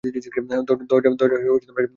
দরজা কে বন্ধ করছে?